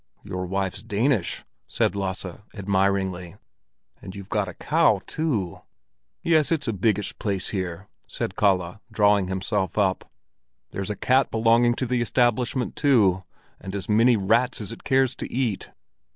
"Your wife's Danish," said Lasse, admiringly. "And you've got a cow too?" "Yes, it's a biggish place here," said Kalle, drawing himself up. "There's a cat belonging to the establishment too, and as many rats as it cares to eat."